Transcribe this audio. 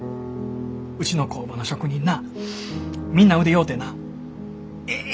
うちの工場の職人なみんな腕ようてなええ